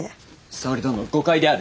沙織殿誤解である。